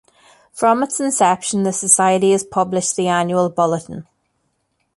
From its inception, the Society has published the annual Bulletin.